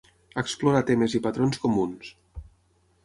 Explora temes i patrons comuns.